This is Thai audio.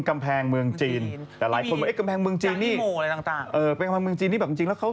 แมดเดมอนเป็นเผอียก